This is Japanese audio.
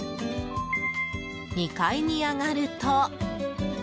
２階に上がると。